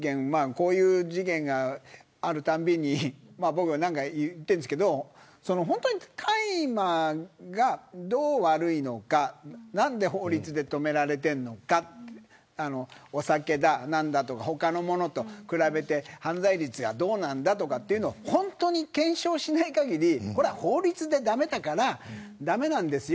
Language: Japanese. こういう事件があるたびに言ってるんですけど大麻がどう悪いのか何で法律で止められているのかお酒だ、何だと他のものと比べて犯罪率がどうなんだとかを本当に検証しない限りこれは法律で駄目だから駄目なんですよ